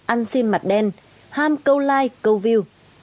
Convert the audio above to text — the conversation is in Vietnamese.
ăn xin mặt đen ham câu like câu view